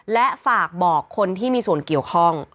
และฝากบอกคนที่มีส่วนเกี่ยวข้อง